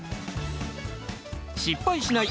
失敗しない！